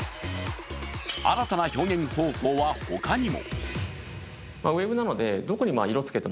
新たな表現方法は他にも。